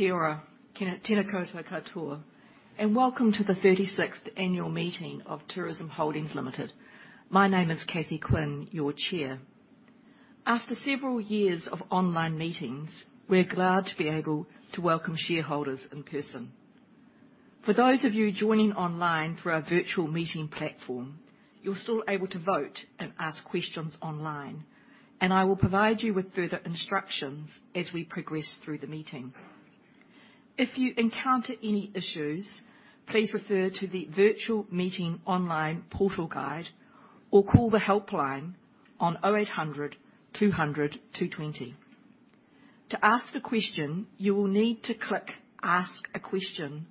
Kia ora. Tēnā koutou katoa, and welcome t o the36th annual meeting of Tourism Holdings Limited. My name is Cathy Quinn, your Chair. After several years of online meetings, we're glad to be able to welcome shareholders in person. For those of you joining online through our virtual meeting platform, you're still able to vote and ask questions online, and I will provide you with further instructions as we progress through the meeting. If you encounter any issues, please refer to the virtual meeting online portal guide or call the helpline on 0800 200 220. To ask a question, you will need to click Ask a Question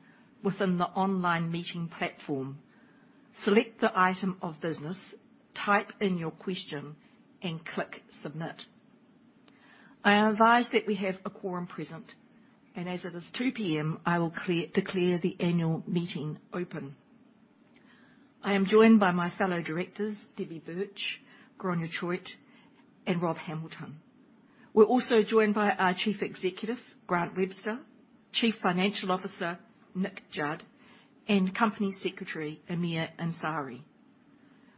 within the online meeting platform. Select the item of business, type in your question, and click Submit. I advise that we have a quorum present, and as it is 2 P.M., I will declare the annual meeting open. I am joined by my fellow directors, Debbie Birch, Gráinne Troute, and Rob Hamilton. We're also joined by our Chief Executive, Grant Webster, Chief Financial Officer, Nick Judd, and Company Secretary, Amir Ansari.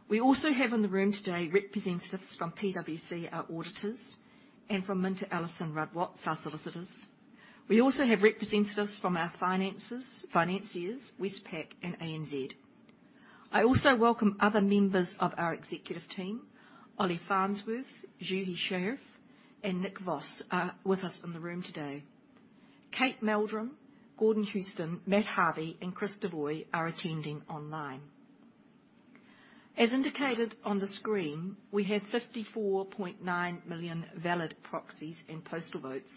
We also have in the room today representatives from PwC, our auditors, and from MinterEllisonRuddWatts, our solicitors. We also have representatives from our financiers, Westpac and ANZ. I also welcome other members of our executive team. Ollie Farnsworth, Juhi Shareef, and Nick Voss are with us in the room today. Kate Meldrum, Gordon Hewston, Matt Harvey, and Chris Devoy are attending online. As indicated on the screen, we have 54.9 million valid proxies and postal votes,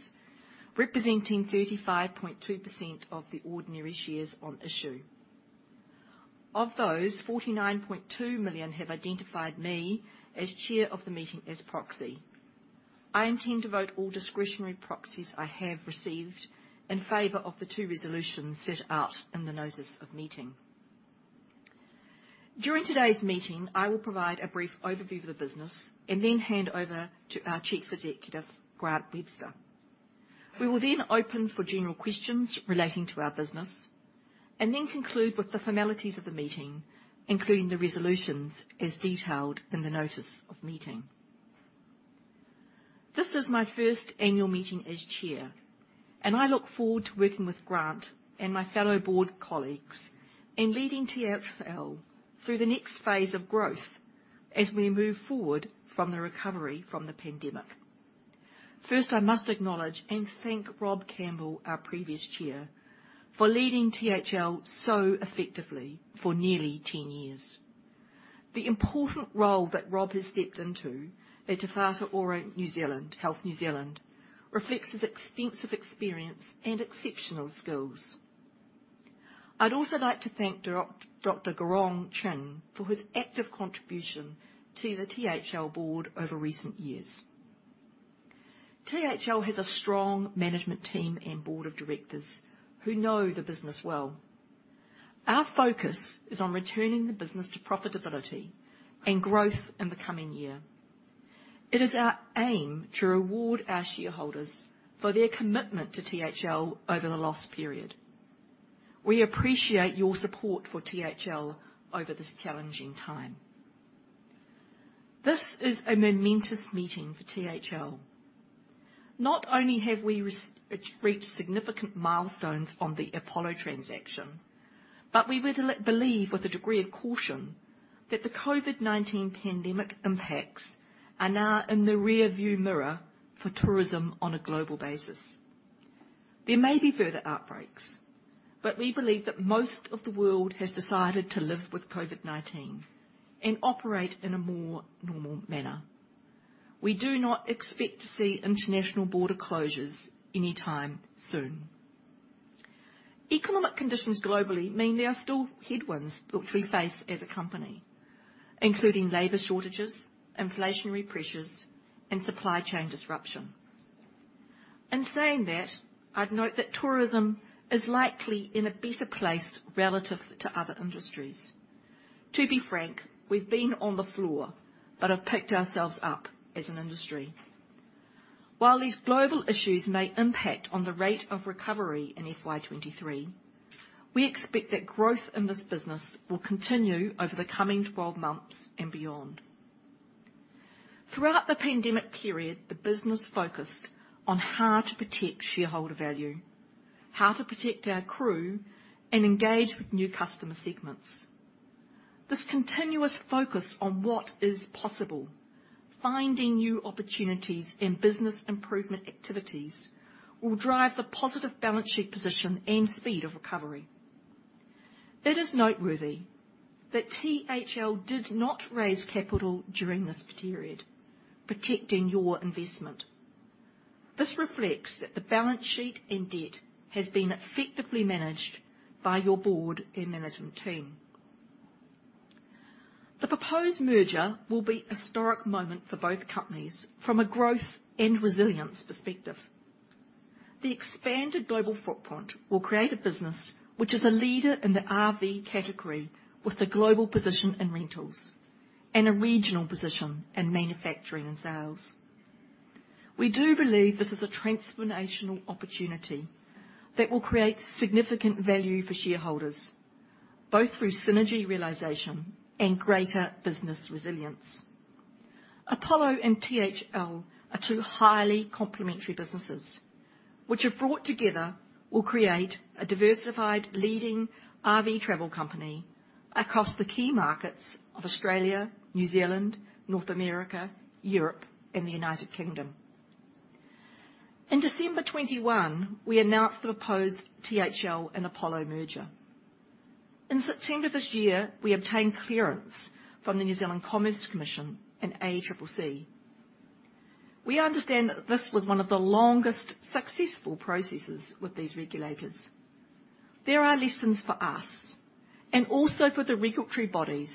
representing 35.2% of the ordinary shares on issue. Of those, 49.2 million have identified me as chair of the meeting as proxy. I intend to vote all discretionary proxies I have received in favor of the two resolutions set out in the notice of meeting. During today's meeting, I will provide a brief overview of the business and then hand over to our Chief Executive, Grant Webster. We will then open for general questions relating to our business and then conclude with the formalities of the meeting, including the resolutions as detailed in the notice of meeting. This is my first annual meeting as chair, and I look forward to working with Grant and my fellow board colleagues in leading THL through the next phase of growth as we move forward from the recovery from the pandemic. First, I must acknowledge and thank Rob Campbell, our previous chair, for leading THL so effectively for nearly 10 years. The important role that Rob has stepped into at Te Whatu Ora, Health New Zealand reflects his extensive experience and exceptional skills. I'd also like to thank Dr. Gráinne Troute for his active contribution to the THL board over recent years. THL has a strong management team and board of directors who know the business well. Our focus is on returning the business to profitability and growth in the coming year. It is our aim to reward our shareholders for their commitment to THL over the last period. We appreciate your support for THL over this challenging time. This is a momentous meeting for THL. Not only have we reached significant milestones on the Apollo transaction, but we believe, with a degree of caution, that the COVID-19 pandemic impacts are now in the rearview mirror for tourism on a global basis. There may be further outbreaks, but we believe that most of the world has decided to live with COVID-19 and operate in a more normal manner. We do not expect to see international border closures anytime soon. Economic conditions globally mean there are still headwinds which we face as a company, including labor shortages, inflationary pressures, and supply chain disruption. In saying that, I'd note that tourism is likely in a better place relative to other industries. To be frank, we've been on the floor but have picked ourselves up as an industry. While these global issues may impact on the rate of recovery in FY2023, we expect that growth in this business will continue over the coming 12 months and beyond. Throughout the pandemic period, the business focused on how to protect shareholder value, how to protect our crew, and engage with new customer segments. This continuous focus on what is possible, finding new opportunities and business improvement activities will drive the positive balance sheet position and speed of recovery. It is noteworthy that THL did not raise capital during this period, protecting your investment. This reflects that the balance sheet and debt has been effectively managed by your board and management team. The proposed merger will be a historic moment for both companies from a growth and resilience perspective. The expanded global footprint will create a business which is a leader in the RV category with a global position in rentals. A regional position in manufacturing and sales. We do believe this is a transformational opportunity that will create significant value for shareholders, both through synergy realization and greater business resilience. Apollo and THL are two highly complementary businesses which have brought together to create a diversified leading RV travel company across the key markets of Australia, New Zealand, North America, Europe, and the United Kingdom. In December 2021, we announced the proposed THL and Apollo merger. In September this year, we obtained clearance from the New Zealand Commerce Commission and ACCC. We understand that this was one of the longest successful processes with these regulators. There are lessons for us and also for the regulatory bodies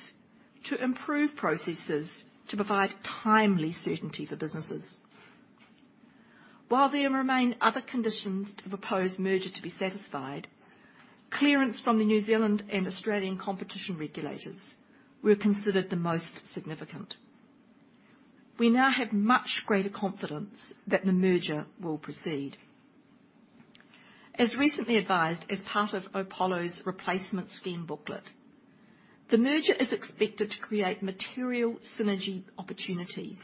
to improve processes to provide timely certainty for businesses. While there remain other conditions to the proposed merger to be satisfied, clearance from the New Zealand and Australian competition regulators were considered the most significant. We now have much greater confidence that the merger will proceed. As recently advised as part of Apollo's Replacement Scheme Booklet, the merger is expected to create material synergy opportunities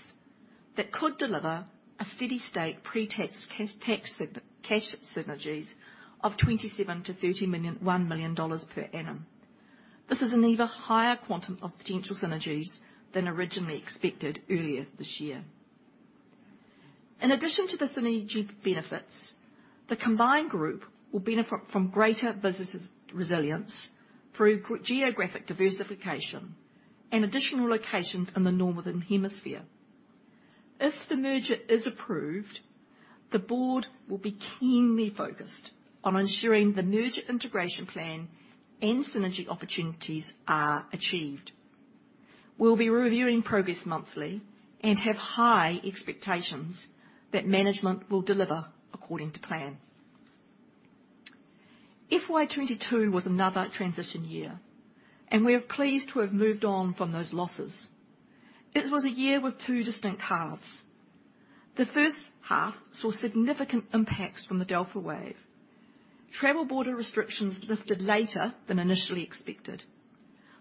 that could deliver a steady-state pre-tax cash tax synergies of 27 million-31 million dollars per annum. This is an even higher quantum of potential synergies than originally expected earlier this year. In addition to the synergy benefits, the combined group will benefit from greater business resilience through geographic diversification and additional locations in the northern hemisphere. If the merger is approved, the board will be keenly focused on ensuring the merger integration plan and synergy opportunities are achieved. We'll be reviewing progress monthly and have high expectations that management will deliver according to plan. FY22 was another transition year, and we are pleased to have moved on from those losses. It was a year with two distinct halves. The first half saw significant impacts from the Delta wave. Travel border restrictions lifted later than initially expected.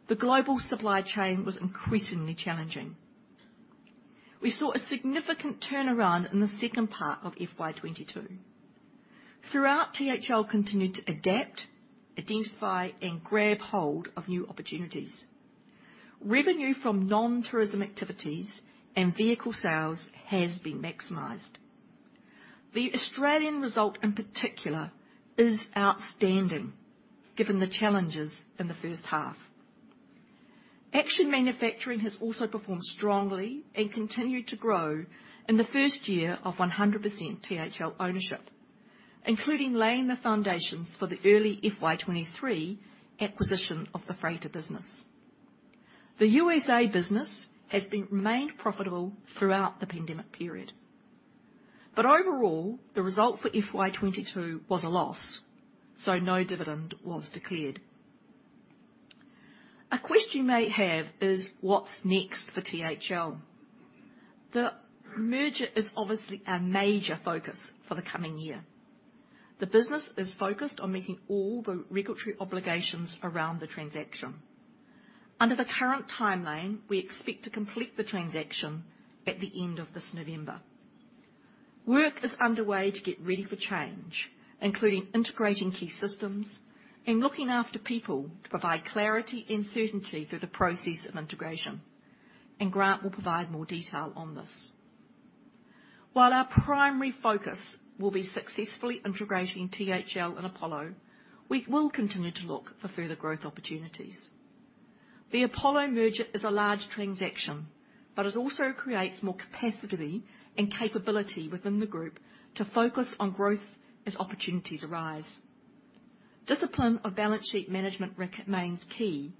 The global supply chain was increasingly challenging. We saw a significant turnaround in the second part of FY2022. Throughout, THL continued to adapt, identify, and grab hold of new opportunities. Revenue from non-tourism activities and vehicle sales has been maximized. The Australian result, in particular, is outstanding given the challenges in the first half. Action Manufacturing has also performed strongly and continued to grow in the first year of 100% THL ownership, including laying the foundations for the early FY23 acquisition of the Freighter business. The USA business has remained profitable throughout the pandemic period. Overall, the result for FY22 was a loss, so no dividend was declared. A question you may have is what's next for THL. The merger is obviously a major focus for the coming year. The business is focused on meeting all the regulatory obligations around the transaction. Under the current timeline, we expect to complete the transaction at the end of this November. Work is underway to get ready for change, including integrating key systems and looking after people to provide clarity and certainty through the process of integration, and Grant will provide more detail on this. While our primary focus will be successfully integrating THL and Apollo, we will continue to look for further growth opportunities. The Apollo merger is a large transaction, but it also creates more capacity and capability within the group to focus on growth as opportunities arise. Discipline of balance sheet management remains key,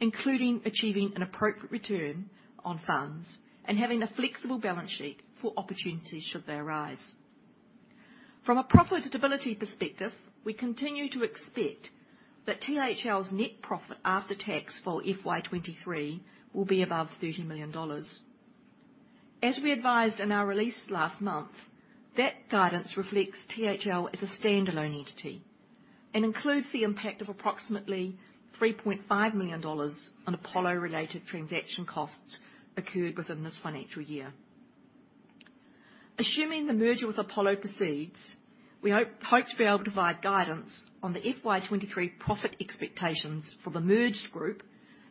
including achieving an appropriate return on funds and having a flexible balance sheet for opportunities should they arise. From a profitability perspective, we continue to expect that THL's net profit after tax for FY2023 will be above NZD 30 million. As we advised in our release last month, that guidance reflects THL as a standalone entity and includes the impact of approximately 3.5 million dollars on Apollo related transaction costs occurred within this financial year. Assuming the merger with Apollo proceeds, we hope to be able to provide guidance on the FY2023 profit expectations for the merged group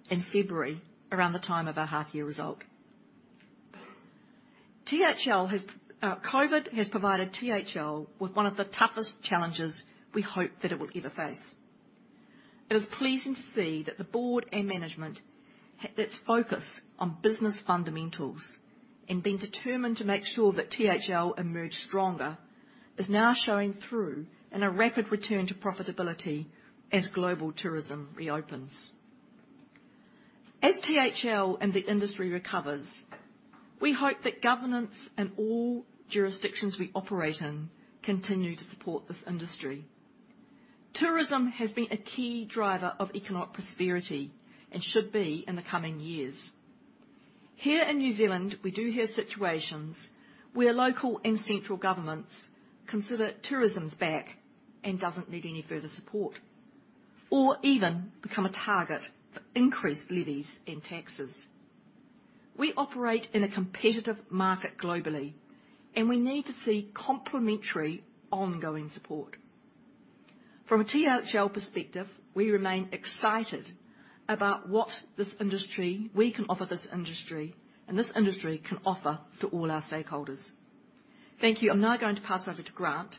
in February, around the time of our half-year result. COVID has provided THL with one of the toughest challenges we hope that it will ever face. It is pleasing to see that the board and management that's focused on business fundamentals and been determined to make sure that THL emerged stronger, is now showing through in a rapid return to profitability as global tourism reopens. As THL and the industry recovers, we hope that governance in all jurisdictions we operate in continue to support this industry. Tourism has been a key driver of economic prosperity and should be in the coming years. Here in New Zealand, we do hear situations where local and central governments consider tourism is back and doesn't need any further support, or even become a target for increased levies and taxes. We operate in a competitive market globally, and we need to see complementary ongoing support. From a THL perspective, we remain excited about what we can offer this industry, and this industry can offer to all our stakeholders. Thank you. I'm now going to pass over to Grant.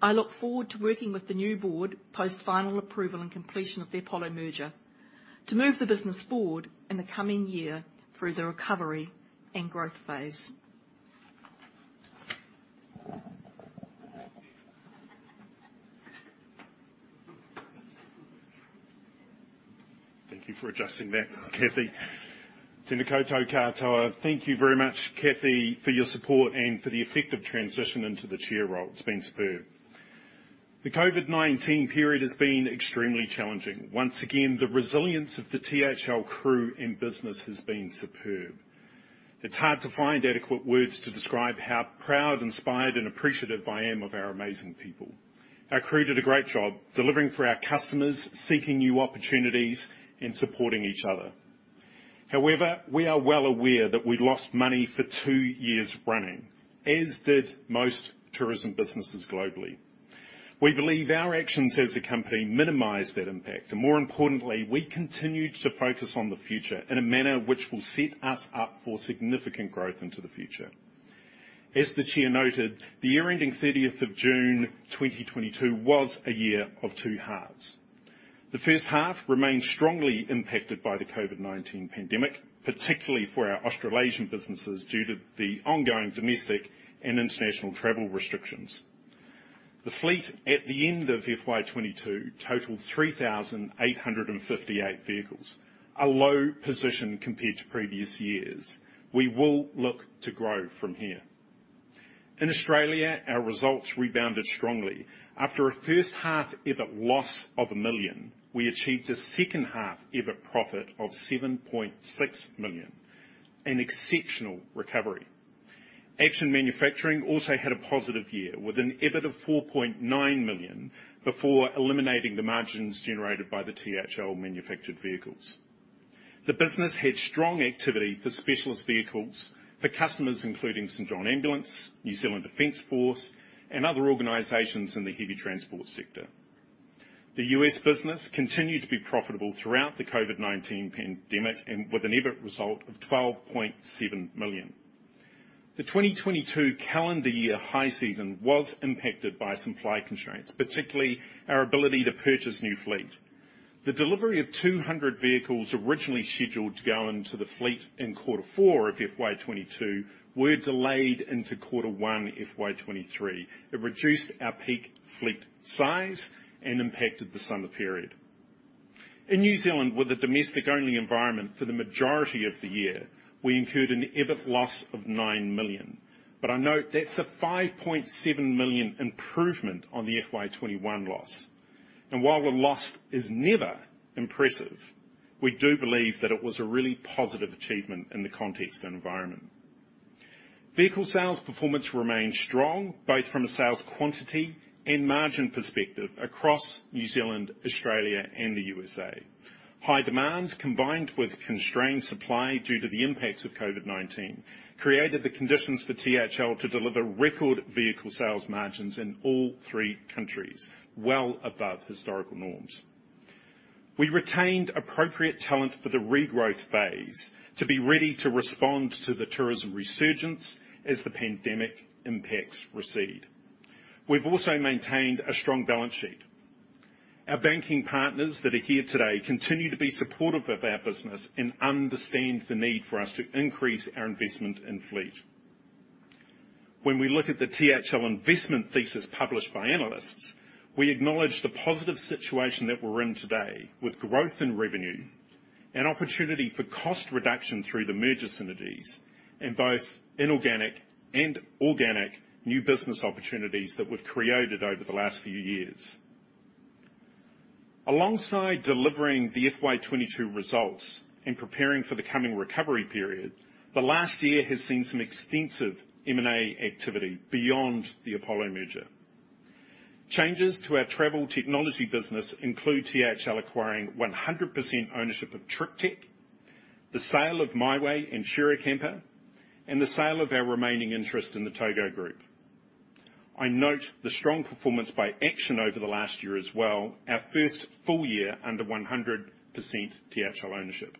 I look forward to working with the new board post-final approval and completion of the Apollo merger to move the business forward in the coming year through the recovery and growth phase. Thank you for adjusting that, Cathy. Tena koutou katoa. Thank you very much, Cathy, for your support and for the effective transition into the chair role. It's been superb. The COVID-19 period has been extremely challenging. Once again, the resilience of the THL crew and business has been superb. It's hard to find adequate words to describe how proud, inspired, and appreciative I am of our amazing people. Our crew did a great job delivering for our customers, seeking new opportunities, and supporting each other. However, we are well aware that we lost money for two years running, as did most tourism businesses globally. We believe our actions as a company minimized that impact, and more importantly, we continued to focus on the future in a manner which will set us up for significant growth into the future. As the chair noted, the year ending 30th of June 2022 was a year of two halves. The first half remained strongly impacted by the COVID-19 pandemic, particularly for our Australasian businesses due to the ongoing domestic and international travel restrictions. The fleet at the end of FY2022 totaled 3,858 vehicles, a low position compared to previous years. We will look to grow from here. In Australia, our results rebounded strongly. After a first half EBIT loss of 1 million, we achieved a second-half EBIT profit of 7.6 million, an exceptional recovery. Action Manufacturing also had a positive year with an EBIT of 4.9 million before eliminating the margins generated by the THL manufactured vehicles. The business had strong activity for specialist vehicles for customers, including St John Ambulance New Zealand, New Zealand Defence Force, and other organizations in the heavy transport sector. The US business continued to be profitable throughout the COVID-19 pandemic and with an EBIT result of 12.7 million. The 2022 calendar year high season was impacted by supply constraints, particularly our ability to purchase new fleet. The delivery of 200 vehicles originally scheduled to go into the fleet in quarter four of FY2022 were delayed into Q1, FY2023. It reduced our peak fleet size and impacted the summer period. In New Zealand, with a domestic only environment for the majority of the year, we incurred an EBIT loss of 9 million. I note that's a 5.7 million improvement on the FY21 loss. While a loss is never impressive, we do believe that it was a really positive achievement in the context and environment. Vehicle sales performance remained strong, both from a sales quantity and margin perspective across New Zealand, Australia, and the USA. High demand, combined with constrained supply due to the impacts of COVID-19, created the conditions for THL to deliver record vehicle sales margins in all three countries, well above historical norms. We retained appropriate talent for the regrowth phase to be ready to respond to the tourism resurgence as the pandemic impacts recede. We've also maintained a strong balance sheet. Our banking partners that are here today continue to be supportive of our business and understand the need for us to increase our investment in fleet. When we look at the THL investment thesis published by analysts, we acknowledge the positive situation that we're in today with growth in revenue and opportunity for cost reduction through the merger synergies in both inorganic and organic new business opportunities that we've created over the last few years. Alongside delivering the FY2022 results and preparing for the coming recovery period, the last year has seen some extensive M&A activity beyond the Apollo merger. Changes to our travel technology business include THL acquiring 100% ownership of TripTech, the sale of Mighway and SHAREaCAMPER, and the sale of our remaining interest in the Togo Group. I note the strong performance by Action over the last year as well, our first full year under 100% THL ownership.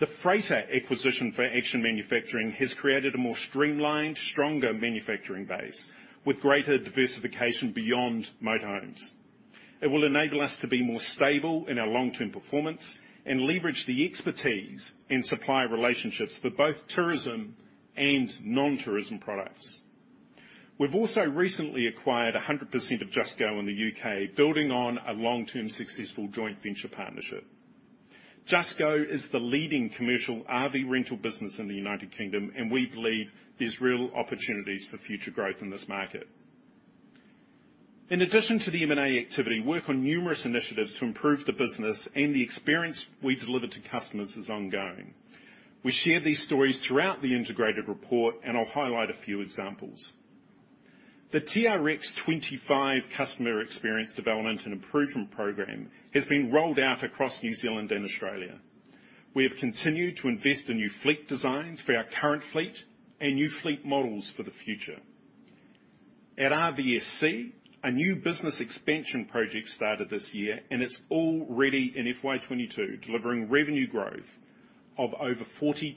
The Freighter acquisition for Action Manufacturing has created a more streamlined, stronger manufacturing base with greater diversification beyond motorhomes. It will enable us to be more stable in our long-term performance and leverage the expertise in supply relationships for both tourism and non-tourism products. We've also recently acquired 100% of Just Go in the U.K., building on a long-term successful joint venture partnership. Just Go is the leading commercial RV rental business in the United Kingdom, and we believe there's real opportunities for future growth in this market. In addition to the M&A activity, work on numerous initiatives to improve the business and the experience we deliver to customers is ongoing. We share these stories throughout the integrated report, and I'll highlight a few examples. The TRX25 customer experience development and improvement program has been rolled out across New Zealand and Australia. We have continued to invest in new fleet designs for our current fleet and new fleet models for the future. At RVSC, a new business expansion project started this year, and it's already in FY22 delivering revenue growth of over 42%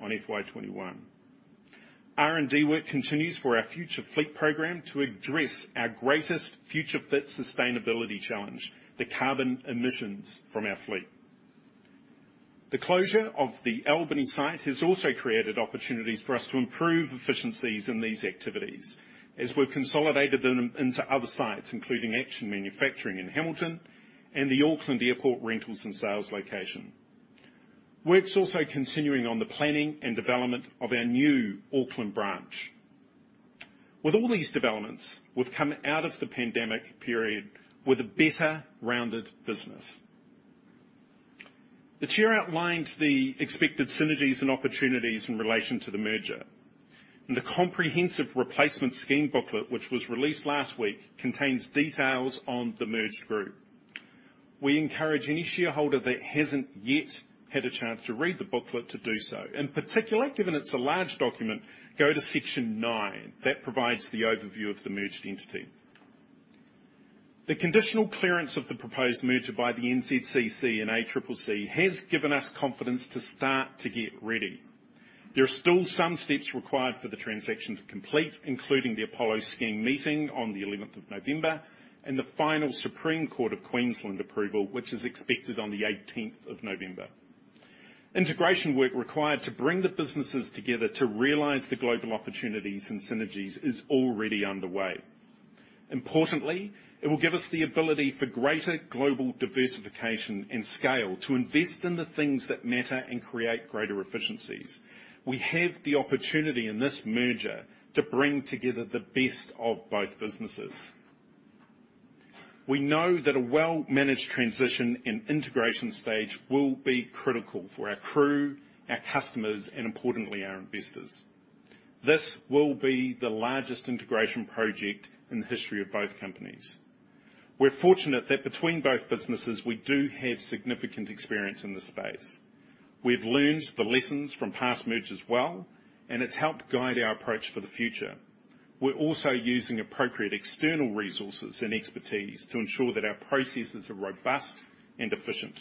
on FY2021. R&D work continues for our future fleet program to address our greatest Future-Fit sustainability challenge, the carbon emissions from our fleet. The closure of the Albany site has also created opportunities for us to improve efficiencies in these activities as we've consolidated them into other sites, including Action Manufacturing in Hamilton and the Auckland Airport Rentals and Sales location. Work's also continuing on the planning and development of our new Auckland branch. With all these developments, we've come out of the pandemic period with a better-rounded business. The chair outlined the expected synergies and opportunities in relation to the merger, and the comprehensive Replacement Scheme Booklet, which was released last week, contains details on the merged group. We encourage any shareholder that hasn't yet had a chance to read the booklet to do so. In particular, given it's a large document, go to section nine. That provides the overview of the merged entity. The conditional clearance of the proposed merger by the NZCC and ACCC has given us confidence to start to get ready. There are still some steps required for the transaction to complete, including the Apollo scheme meeting on the 11th of November and the final Supreme Court of Queensland approval, which is expected on the 18th of November. Integration work required to bring the businesses together to realize the global opportunities and synergies is already underway. Importantly, it will give us the ability for greater global diversification and scale to invest in the things that matter and create greater efficiencies. We have the opportunity in this merger to bring together the best of both businesses. We know that a well-managed transition and integration stage will be critical for our crew, our customers, and importantly, our investors. This will be the largest integration project in the history of both companies. We're fortunate that between both businesses, we do have significant experience in this space. We've learned the lessons from past mergers well, and it's helped guide our approach for the future. We're also using appropriate external resources and expertise to ensure that our processes are robust and efficient.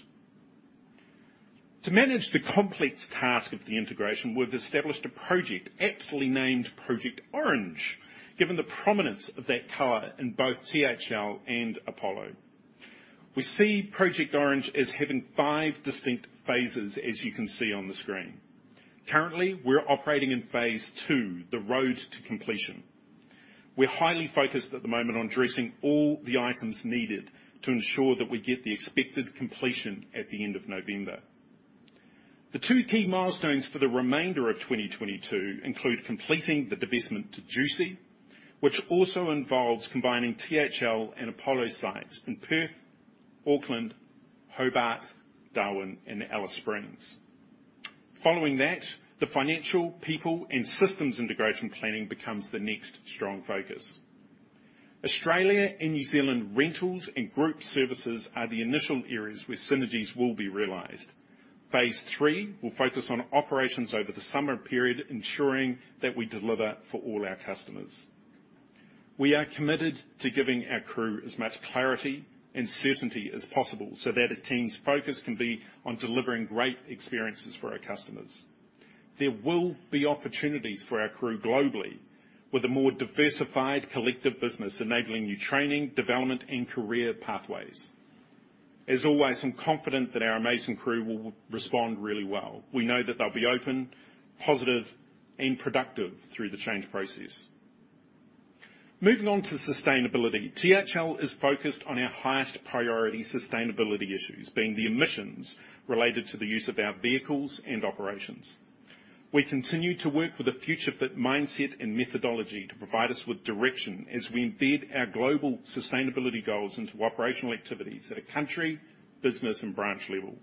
To manage the complex task of the integration, we've established a project aptly named Project Orange, given the prominence of that color in both THL and Apollo. We see Project Orange as having five distinct phases, as you can see on the screen. Currently, we're operating in phase two, the road to completion. We're highly focused at the moment on addressing all the items needed to ensure that we get the expected completion at the end of November. The two key milestones for the remainder of 2022 include completing the divestment to Jucy, which also involves combining THL and Apollo sites in Perth, Auckland, Hobart, Darwin, and Alice Springs. Following that, the financial, people, and systems integration planning becomes the next strong focus. Australia and New Zealand rentals and group services are the initial areas where synergies will be realized. Phase III will focus on operations over the summer period, ensuring that we deliver for all our customers. We are committed to giving our crew as much clarity and certainty as possible so that a team's focus can be on delivering great experiences for our customers. There will be opportunities for our crew globally with a more diversified collective business, enabling new training, development, and career pathways. As always, I'm confident that our amazing crew will respond really well. We know that they'll be open, positive, and productive through the change process. Moving on to sustainability. THL is focused on our highest priority sustainability issues being the emissions related to the use of our vehicles and operations. We continue to work with a Future-Fit mindset and methodology to provide us with direction as we embed our global sustainability goals into operational activities at a country, business, and branch level.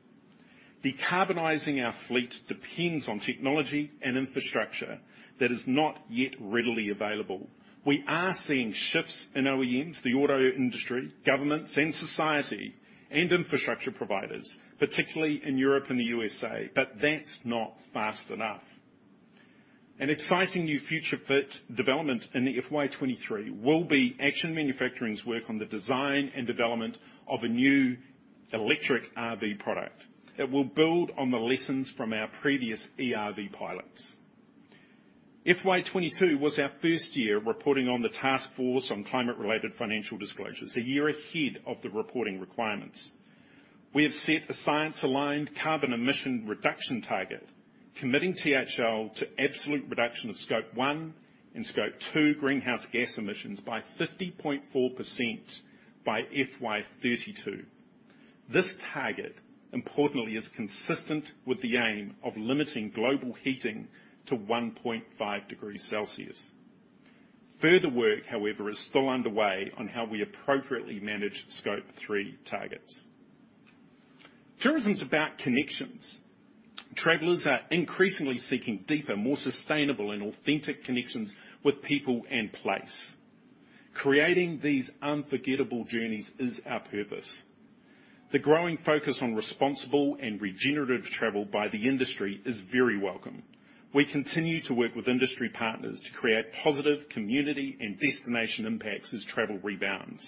Decarbonizing our fleet depends on technology and infrastructure that is not yet readily available. We are seeing shifts in OEMs, the auto industry, governments and society, and infrastructure providers, particularly in Europe and the USA, but that's not fast enough. An exciting new Future-Fit development in the FY2023 will be Action Manufacturing's work on the design and development of a new electric RV product that will build on the lessons from our previous ERV pilots. FY2022 was our first year reporting on the Task Force on Climate-related Financial Disclosures, a year ahead of the reporting requirements. We have set a science-aligned carbon emission reduction target. Committing THL to absolute reduction of Scope one and Scope two greenhouse gas emissions by 50.4% by FY2032. This target, importantly, is consistent with the aim of limiting global heating to 1.5 degrees Celsius. Further work, however, is still underway on how we appropriately manage Scope three targets. Tourism's about connections. Travelers are increasingly seeking deeper, more sustainable, and authentic connections with people and place. Creating these unforgettable journeys is our purpose. The growing focus on responsible and regenerative travel by the industry is very welcome. We continue to work with industry partners to create positive community and destination impacts as travel rebounds.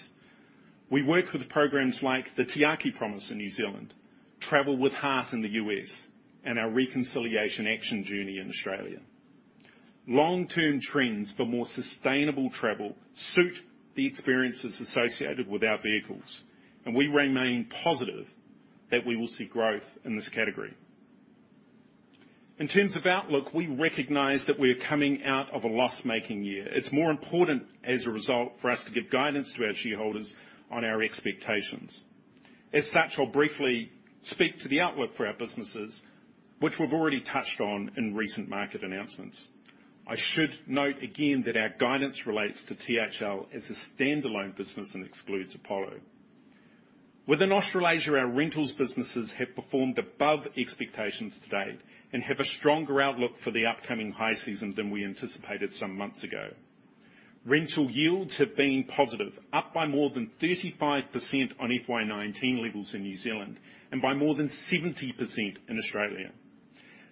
We work with programs like the Tiaki Promise in New Zealand, Travel with Heart in the U.S., and our Reconciliation Action Plan in Australia. Long-term trends for more sustainable travel suit the experiences associated with our vehicles, and we remain positive that we will see growth in this category. In terms of outlook, we recognize that we're coming out of a loss-making year. It's more important as a result, for us to give guidance to our shareholders on our expectations. As such, I'll briefly speak to the outlook for our businesses, which we've already touched on in recent market announcements. I should note again that our guidance relates to THL as a standalone business and excludes Apollo. Within Australasia, our rentals businesses have performed above expectations to date and have a stronger outlook for the upcoming high season than we anticipated some months ago. Rental yields have been positive, up by more than 35% on FY2019 levels in New Zealand, and by more than 70% in Australia.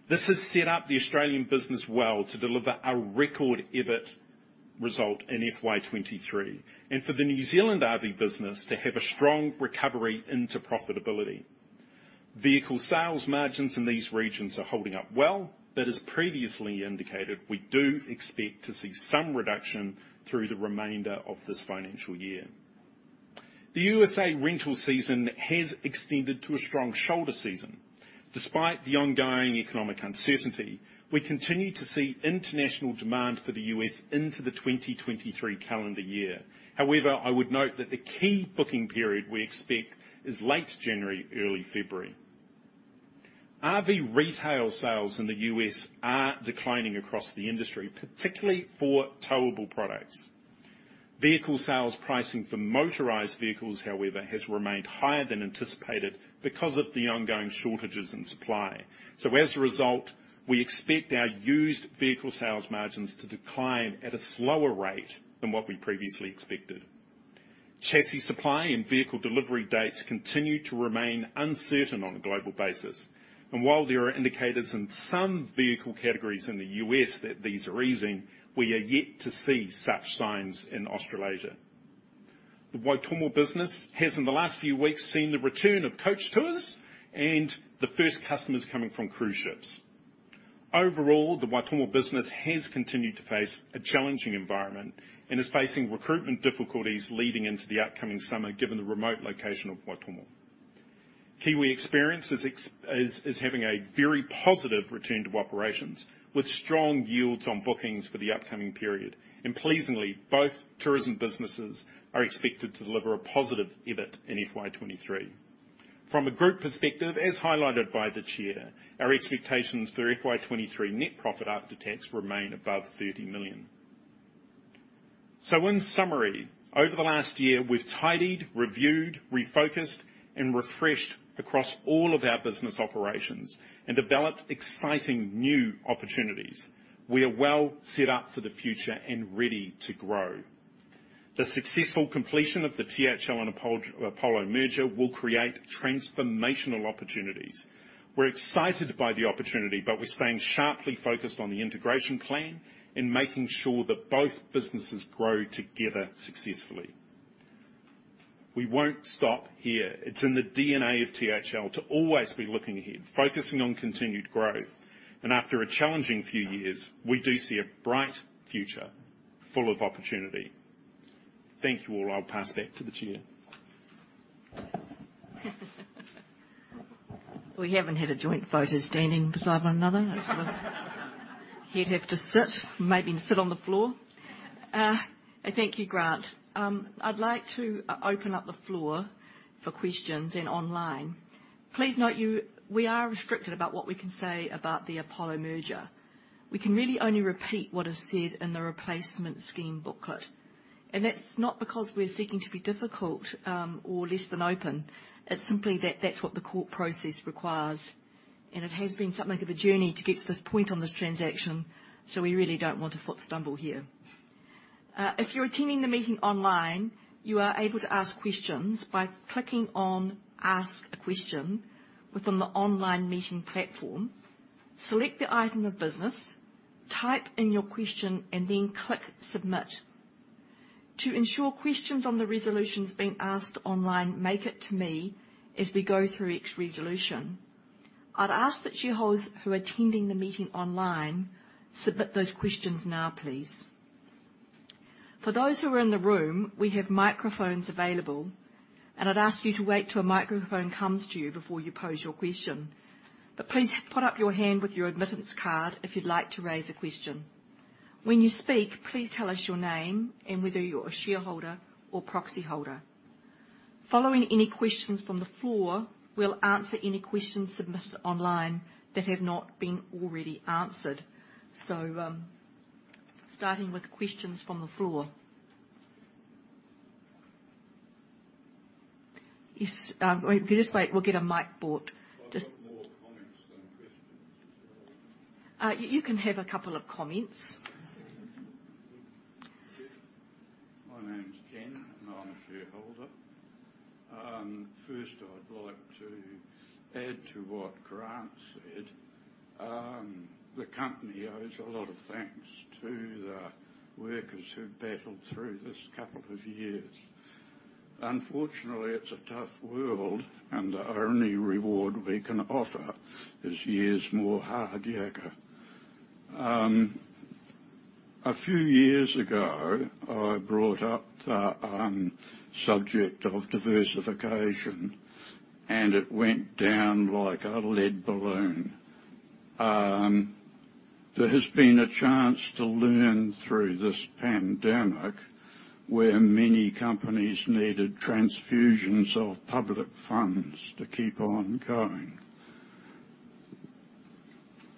This has set up the Australian business well to deliver a record EBIT result in FY2023. For the New Zealand RV business to have a strong recovery into profitability. Vehicle sales margins in these regions are holding up well, but as previously indicated, we do expect to see some reduction through the remainder of this financial year. The USA rental season has extended to a strong shoulder season. Despite the ongoing economic uncertainty, we continue to see international demand for the U.S. into the 2023 calendar year. However, I would note that the key booking period we expect is late January, early February. RV retail sales in the U.S. are declining across the industry, particularly for towable products. Vehicle sales pricing for motorized vehicles, however, has remained higher than anticipated because of the ongoing shortages in supply. As a result, we expect our used vehicle sales margins to decline at a slower rate than what we previously expected. Chassis supply and vehicle delivery dates continue to remain uncertain on a global basis. While there are indicators in some vehicle categories in the U.S. that these are easing, we are yet to see such signs in Australasia. The Waitomo business has, in the last few weeks, seen the return of coach tours and the first customers coming from cruise ships. Overall, the Waitomo business has continued to face a challenging environment and is facing recruitment difficulties leading into the upcoming summer, given the remote location of Waitomo. Kiwi Experience is having a very positive return to operations, with strong yields on bookings for the upcoming period. Pleasingly, both tourism businesses are expected to deliver a positive EBIT in FY2023. From a group perspective, as highlighted by the chair, our expectations for FY2023 net profit after tax remain above 30 million. In summary, over the last year, we've tidied, reviewed, refocused, and refreshed across all of our business operations and developed exciting new opportunities. We are well set up for the future and ready to grow. The successful completion of the THL and Apollo merger will create transformational opportunities. We're excited by the opportunity, but we're staying sharply focused on the integration plan and making sure that both businesses grow together successfully. We won't stop here. It's in the DNA of THL to always be looking ahead, focusing on continued growth. After a challenging few years, we do see a bright future full of opportunity. Thank you, all. I'll pass back to the Chair. We haven't had a joint photo standing beside one another. He'd have to sit, maybe on the floor. Thank you, Grant. I'd like to open up the floor for questions and online. Please note we are restricted about what we can say about the Apollo merger. We can really only repeat what is said in the Replacement Scheme Booklet. That's not because we're seeking to be difficult or less than open. It's simply that that's what the court process requires. It has been something of a journey to get to this point on this transaction, so we really don't want to foot stumble here. If you're attending the meeting online, you are able to ask questions by clicking on Ask a Question within the online meeting platform. Select the item of business, type in your question, and then click Submit. To ensure questions on the resolutions being asked online make it to me as we go through each resolution, I'd ask that shareholders who are attending the meeting online submit those questions now, please. For those who are in the room, we have microphones available, and I'd ask you to wait till a microphone comes to you before you pose your question. Please put up your hand with your admittance card if you'd like to raise a question. When you speak, please tell us your name and whether you're a shareholder or proxy holder. Following any questions from the floor, we'll answer any questions submitted online that have not been already answered. Starting with questions from the floor. Yes, if you just wait, we'll get a mic brought. I've got more comments than questions. You can have a couple of comments. My name is Ken, and I'm a shareholder. First I'd like to add to what Grant Webster said. The company owes a lot of thanks to the workers who battled through this couple of years. Unfortunately, it's a tough world, and the only reward we can offer is years more hard yakka. A few years ago, I brought up the subject of diversification, and it went down like a lead balloon. There has been a chance to learn through this pandemic where many companies needed transfusions of public funds to keep on going.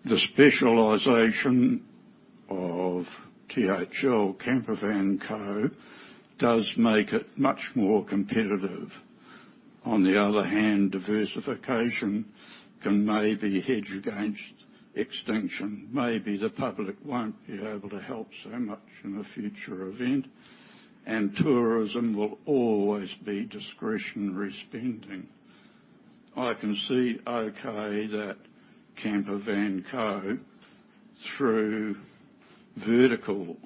The specialization of THL Campervan Co does make it much more competitive. On the other hand, diversification can maybe hedge against extinction. Maybe the public won't be able to help so much in a future event, and tourism will always be discretionary spending. I can see okay that Camper Van Co, through vertical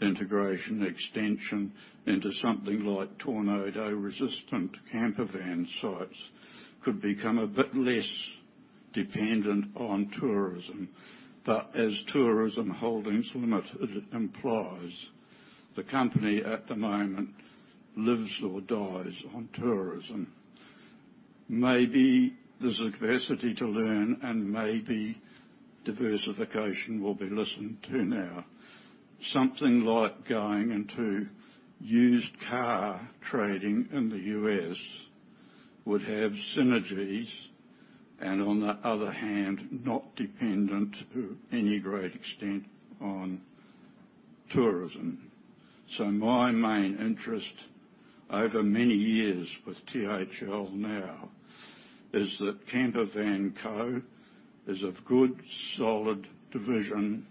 integration extension into something like tornado-resistant camper van sites, could become a bit less dependent on tourism. As Tourism Holdings Limited implies, the company at the moment lives or dies on tourism. Maybe there's adversity to learn, and maybe diversification will be listened to now. Something like going into used car trading in the U.S. would have synergies and on the other hand, not dependent to any great extent on tourism. My main interest over many years with THL now is that Camper Van Co is a good, solid division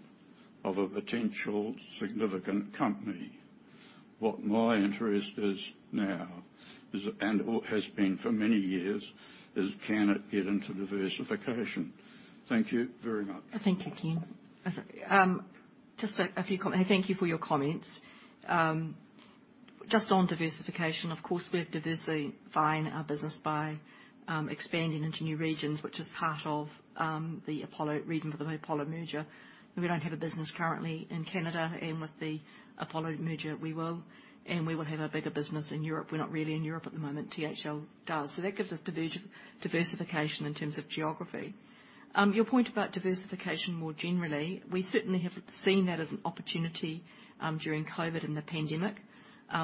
of a potential significant company. What my interest is now is, and/or has been for many years, is can it get into diversification? Thank you very much. Thank you, Ken. Thank you for your comments. Just on diversification, of course, we're diversifying our business by expanding into new regions, which is part of the reason for the Apollo merger. We don't have a business currently in Canada, and with the Apollo merger, we will, and we will have a bigger business in Europe. We're not really in Europe at the moment. THL does. So that gives us diversification in terms of geography. Your point about diversification more generally, we certainly have seen that as an opportunity during COVID and the pandemic.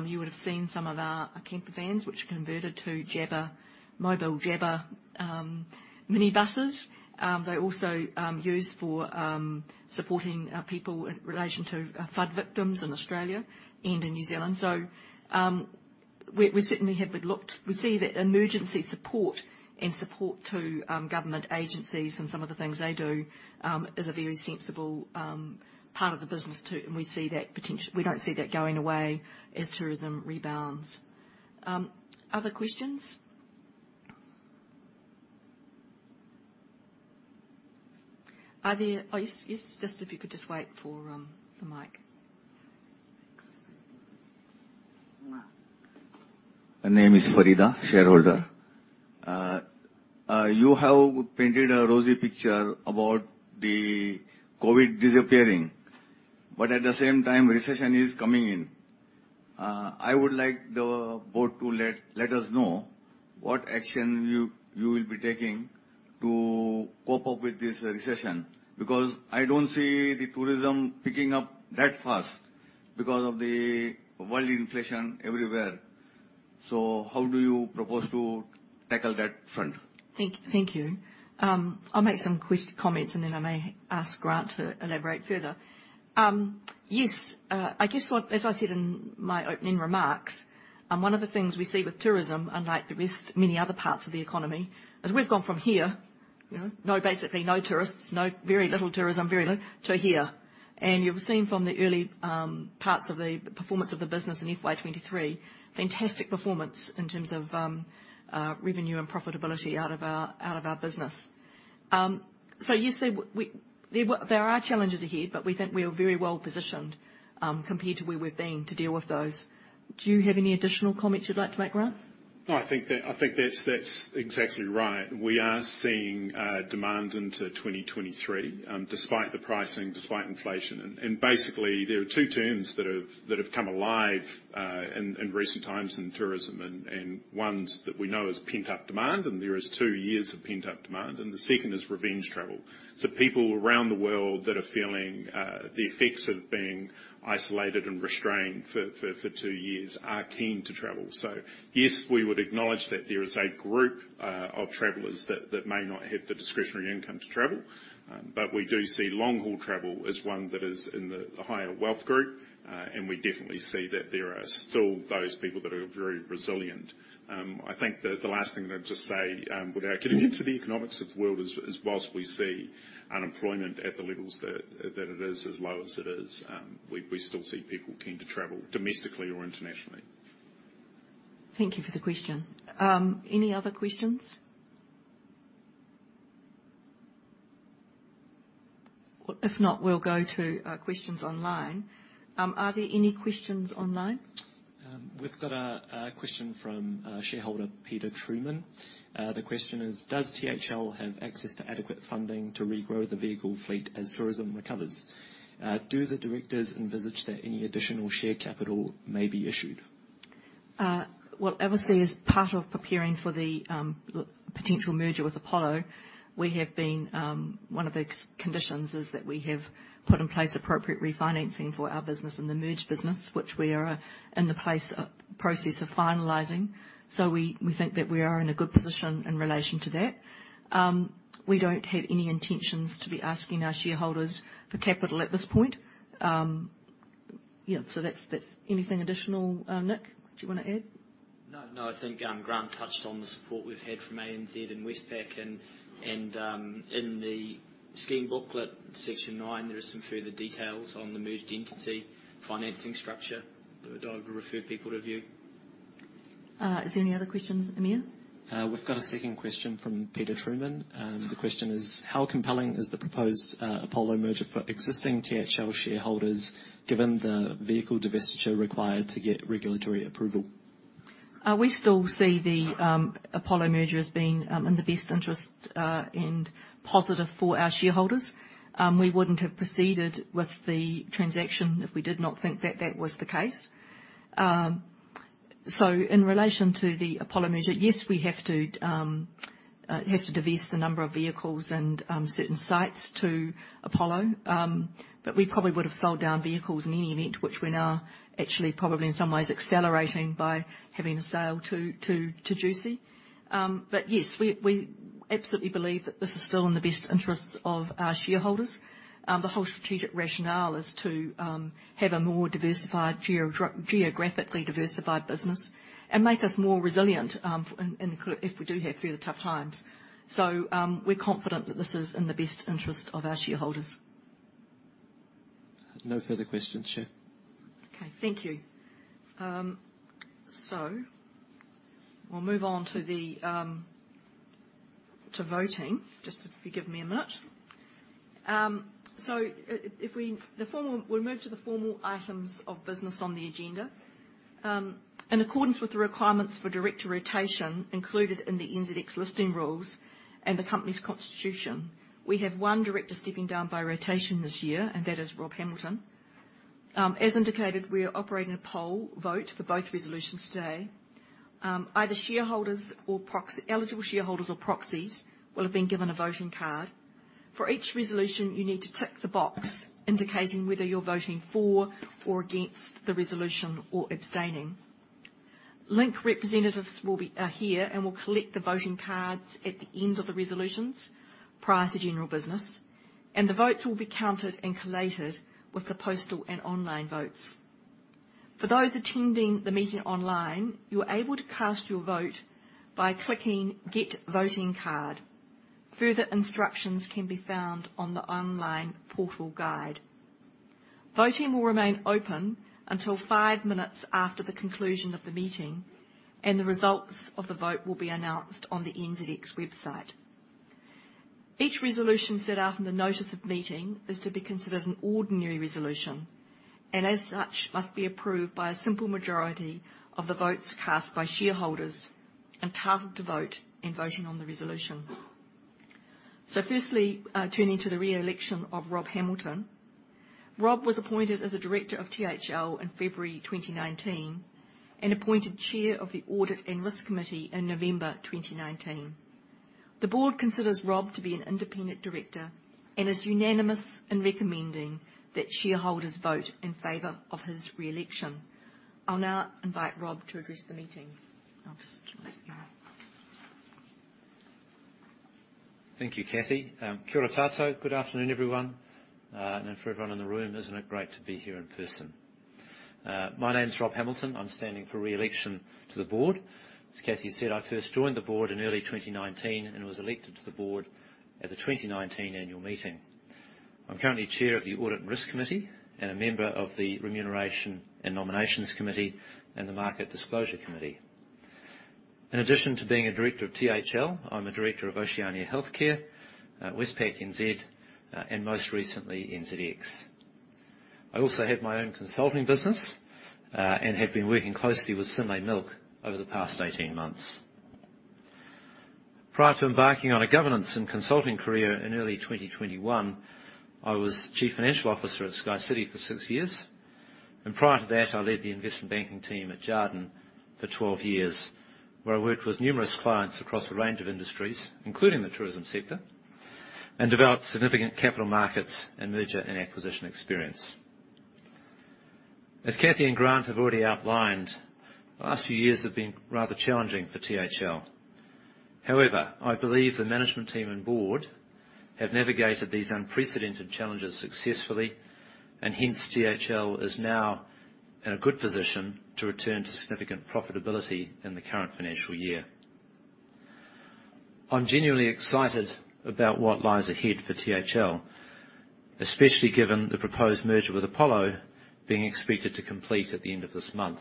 You would have seen some of our camper vans, which are converted to Jaba, mobile Jaba minibuses. They're also used for supporting people in relation to flood victims in Australia and in New Zealand. We certainly have looked. We see that emergency support and support to government agencies and some of the things they do is a very sensible part of the business too, and we see that potential. We don't see that going away as tourism rebounds. Other questions? Are there? Oh, yes. Just if you could just wait for the mic. My name is Farida, shareholder. You have painted a rosy picture about the COVID disappearing, but at the same time, recession is coming in. I would like the board to let us know what action you will be taking to cope up with this recession, because I don't see the tourism picking up that fast because of the world inflation everywhere. How do you propose to tackle that front? Thank you. I'll make some comments, and then I may ask Grant to elaborate further. Yes, I guess what, as I said in my opening remarks, one of the things we see with tourism, unlike the rest many other parts of the economy, is we've gone from here, you know, no, basically no tourists, no, very little tourism, very low, to here. You've seen from the early parts of the performance of the business in FY2023, fantastic performance in terms of revenue and profitability out of our business. You see, there are challenges ahead, but we think we are very well positioned, compared to where we've been to deal with those. Do you have any additional comments you'd like to make, Grant? No, I think that's exactly right. We are seeing demand into 2023, despite the pricing, despite inflation. Basically, there are two terms that have come alive in recent times in tourism. Ones that we know as pent-up demand, and there is two years of pent-up demand, and the second is revenge travel. People around the world that are feeling the effects of being isolated and restrained for two years are keen to travel. Yes, we would acknowledge that there is a group of travelers that may not have the discretionary income to travel, but we do see long-haul travel as one that is in the higher wealth group. We definitely see that there are still those people that are very resilient. I think the last thing that I'll just say without getting into the economics of the world is whilst we see unemployment at the levels that it is as low as it is, we still see people keen to travel domestically or internationally. Thank you for the question. Any other questions? Well, if not, we'll go to questions online. Are there any questions online? We've got a question from Shareholder Peter Truman. The question is: Does THL have access to adequate funding to regrow the vehicle fleet as tourism recovers? Do the directors envisage that any additional share capital may be issued? Well, obviously, as part of preparing for the potential merger with Apollo, we have been. One of the conditions is that we have put in place appropriate refinancing for our business and the merged business, which we are in the process of finalizing. We think that we are in a good position in relation to that. We don't have any intentions to be asking our shareholders for capital at this point. Yeah. That's that. Anything additional, Nick, do you wanna add? No, I think Grant touched on the support we've had from ANZ and Westpac. In the scheme booklet, section nine, there are some further details on the merged entity financing structure that I would refer people to view. Is there any other questions, Amir? We've got a second question from Peter Truman. The question is: How compelling is the proposed Apollo merger for existing THL shareholders, given the vehicle divestiture required to get regulatory approval? We still see the Apollo merger as being in the best interest and positive for our shareholders. We wouldn't have proceeded with the transaction if we did not think that that was the case. In relation to the Apollo merger, yes, we have to divest a number of vehicles and certain sites to Apollo. We probably would've sold down vehicles in any event, which we're now actually probably in some ways accelerating by having a sale to Jucy. Yes, we absolutely believe that this is still in the best interests of our shareholders. The whole strategic rationale is to have a more diversified geographically diversified business and make us more resilient if we do have further tough times. We're confident that this is in the best interest of our shareholders. No further questions, Chair. Okay. Thank you. We'll move on to the voting. Just if you give me a minute. We'll move to the formal items of business on the agenda. In accordance with the requirements for director rotation included in the NZX Listing Rules and the company's constitution, we have one director stepping down by rotation this year, and that is Rob Hamilton. As indicated, we are operating a poll vote for both resolutions today. Either eligible shareholders or proxies will have been given a voting card. For each resolution, you need to tick the box indicating whether you're voting for or against the resolution or abstaining. Link Market Services representatives will be here and will collect the voting cards at the end of the resolutions prior to general business. The votes will be counted and collated with the postal and online votes. For those attending the meeting online, you're able to cast your vote by clicking Get Voting Card. Further instructions can be found on the online portal guide. Voting will remain open until five minutes after the conclusion of the meeting, and the results of the vote will be announced on the NZX website. Each resolution set out in the notice of meeting is to be considered an ordinary resolution. As such, must be approved by a simple majority of the votes cast by shareholders entitled to vote in voting on the resolution. First, turning to the reelection of Rob Hamilton. Rob was appointed as a director of THL in February 2019 and appointed chair of the Audit and Risk Committee in November 2019. The board considers Rob to be an independent director and is unanimous in recommending that shareholders vote in favor of his reelection. I'll now invite Rob to address the meeting. I'll just let you know. Thank you, Cathy. Kia ora koutou. Good afternoon, everyone. For everyone in the room, isn't it great to be here in person? My name's Rob Hamilton. I'm standing for re-election to the board. As Cathy said, I first joined the board in early 2019 and was elected to the board at the 2019 annual meeting. I'm currently chair of the Audit and Risk Committee and a member of the Remuneration and Nomination Committee and the Market Disclosure Committee. In addition to being a director of THL, I'm a Director of Oceania Healthcare, Westpac NZ, and most recently, NZX. I also have my own consulting business, and have been working closely with Synlait Milk over the past 18 months. Prior to embarking on a governance and consulting career in early 2021, I was Chief Financial Officer at SkyCity for six years. Prior to that, I led the investment banking team at Jarden for 12 years, where I worked with numerous clients across a range of industries, including the tourism sector, and developed significant capital markets and merger and acquisition experience. As Cathy and Grant have already outlined, the last few years have been rather challenging for THL. However, I believe the management team and board have navigated these unprecedented challenges successfully, and hence, THL is now in a good position to return to significant profitability in the current financial year. I'm genuinely excited about what lies ahead for THL, especially given the proposed merger with Apollo being expected to complete at the end of this month.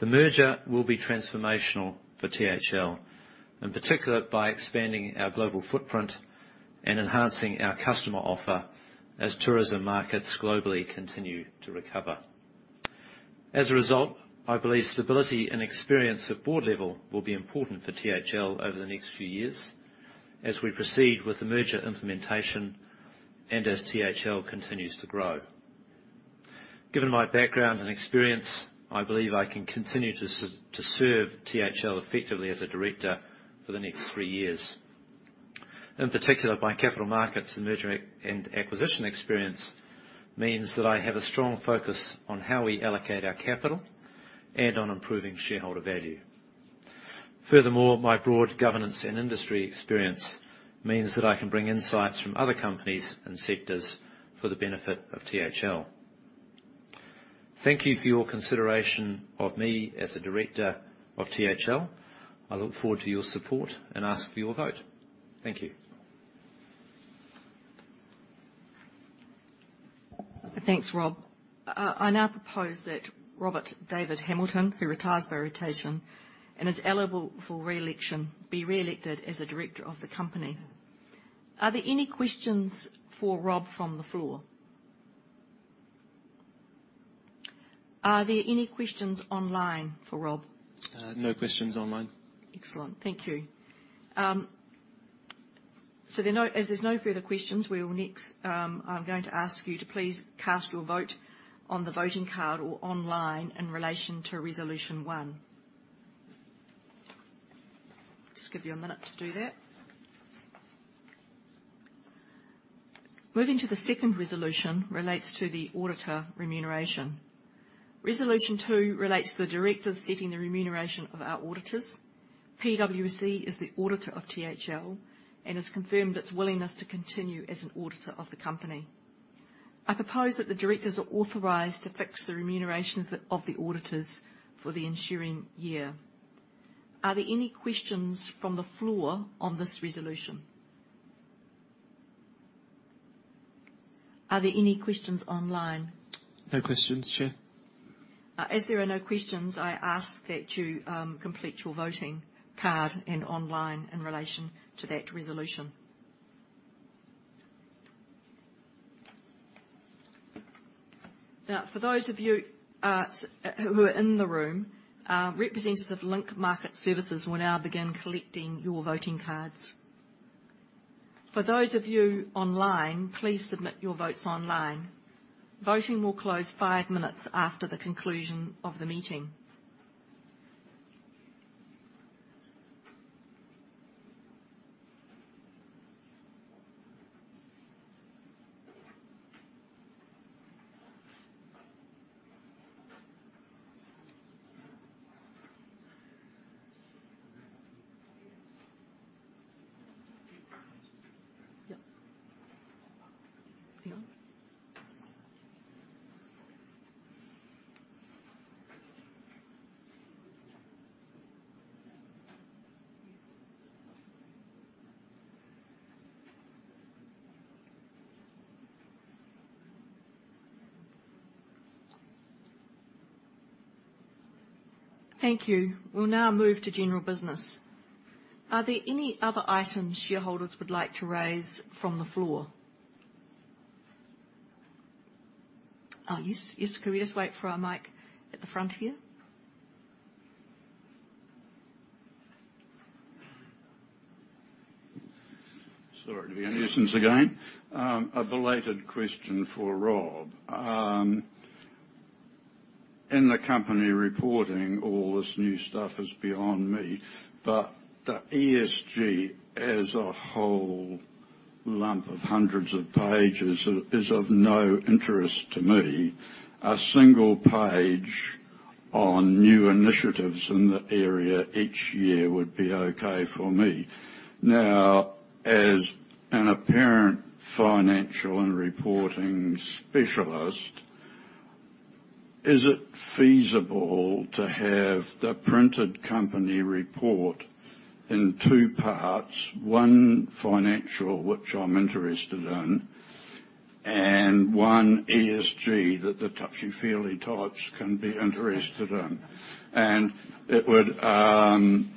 The merger will be transformational for THL, in particular, by expanding our global footprint and enhancing our customer offer as tourism markets globally continue to recover. As a result, I believe stability and experience at board level will be important for THL over the next few years as we proceed with the merger implementation and as THL continues to grow. Given my background and experience, I believe I can continue to serve THL effectively as a Director for the next three years. In particular, my capital markets and merger and acquisition experience means that I have a strong focus on how we allocate our capital and on improving shareholder value. Furthermore, my broad governance and industry experience means that I can bring insights from other companies and sectors for the benefit of THL. Thank you for your consideration of me as a Director of THL. I look forward to your support and ask for your vote. Thank you. Thanks, Rob. I now propose that Robert David Hamilton, who retires by rotation and is eligible for re-election, be re-elected as a director of the company. Are there any questions for Rob from the floor? Are there any questions online for Rob? No questions online. Excellent. Thank you. As there's no further questions, we will next, I'm going to ask you to please cast your vote on the voting card or online in relation to resolution one. Just give you a minute to do that. Moving to the second resolution relates to the auditor remuneration. Resolution two relates to the directors setting the remuneration of our auditors. PwC is the auditor of THL and has confirmed its willingness to continue as an auditor of the company. I propose that the directors are authorized to fix the remuneration of the auditors for the ensuing year. Are there any questions from the floor on this resolution? Are there any questions online? No questions, Chair. As there are no questions, I ask that you complete your voting card and online in relation to that resolution. Now, for those of you who are in the room, representatives of Link Market Services will now begin collecting your voting cards. For those of you online, please submit your votes online. Voting will close five minutes after the conclusion of the meeting. Thank you. We'll now move to general business. Are there any other items shareholders would like to raise from the floor? Yes. Could we just wait for our mic at the front here? Sorry to be a nuisance again. A belated question for Rob. In the company reporting, all this new stuff is beyond me, but the ESG as a whole lump of hundreds of pages is of no interest to me. A single page on new initiatives in the area each year would be okay for me. Now, as an apparent financial and reporting specialist, is it feasible to have the printed company report in two parts, one financial, which I'm interested in. One ESG that the touchy-feely types can be interested in. It would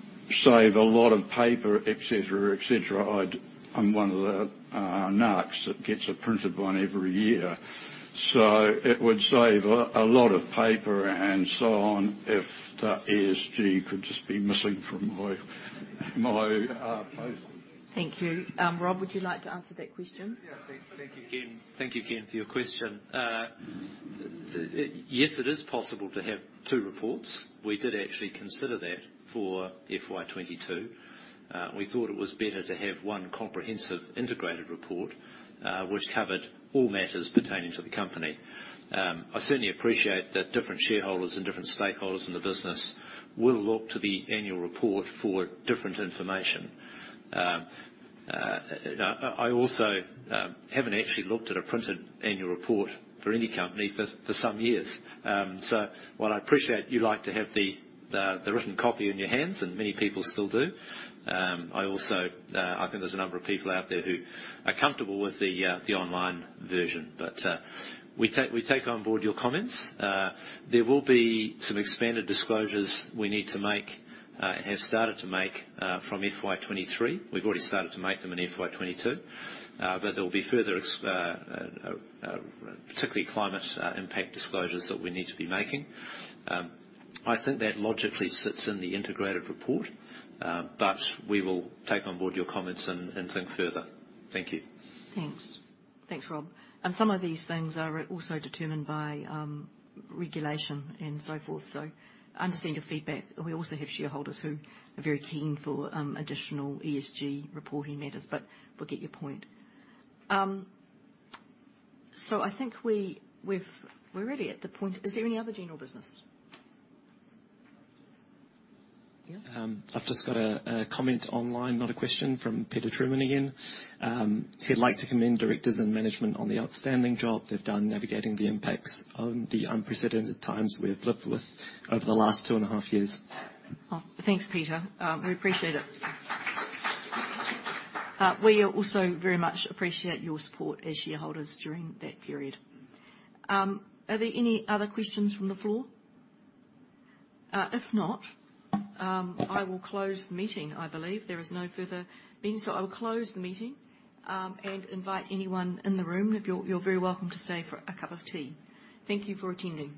save a lot of paper, et cetera, et cetera. I'd. I'm one of the nerds that gets a printed one every year. It would save a lot of paper and so on if the ESG could just be missing from my post. Thank you. Rob, would you like to answer that question? Yes. Thank you, Ken, for your question. Yes, it is possible to have two reports. We did actually consider that for FY2022. We thought it was better to have one comprehensive integrated report, which covered all matters pertaining to the company. I certainly appreciate that different shareholders and different stakeholders in the business will look to the annual report for different information. I also haven't actually looked at a printed annual report for any company for some years. So while I appreciate you like to have the written copy in your hands, and many people still do, I also think there's a number of people out there who are comfortable with the online version. We take on board your comments. There will be some expanded disclosures we need to make, have started to make, from FY2023. We've already started to make them in FY2022. There will be further particularly climate impact disclosures that we need to be making. I think that logically sits in the integrated report, but we will take on board your comments and think further. Thank you. Thanks. Thanks, Rob. Some of these things are also determined by regulation and so forth, so I understand your feedback. We also have shareholders who are very keen for additional ESG reporting matters, but we get your point. I think we're ready at the point. Is there any other general business? Yeah. I've just got a comment online, not a question, from Peter Truman again. He'd like to commend Directors and Management on the outstanding job they've done navigating the impacts of the unprecedented times we have lived with over the last two and a half years. Oh, thanks, Peter. We appreciate it. We also very much appreciate your support as shareholders during that period. Are there any other questions from the floor? If not, I will close the meeting. I believe there is no further meetings, so I will close the meeting, and invite anyone in the room. You're very welcome to stay for a cup of tea. Thank you for attending.